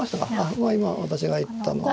まあ今私が言ったのは。